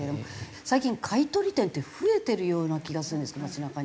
最近買い取り店って増えてるような気がするんですけど街なかに。